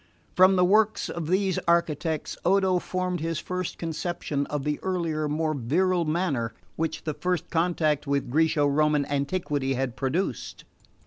From the works of these architects Odo formed his first conception of the earlier, more virile manner which the first contact with Graeco Roman antiquity had produced.